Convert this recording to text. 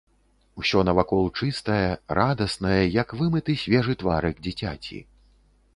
Усё навакол чыстае, радаснае, як вымыты свежы тварык дзіцяці.